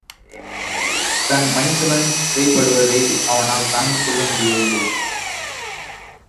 தன் மைத்துனன் சிறைப்படுவதை அவனால் தாங்கிக் கொள்ள முடியவில்லை.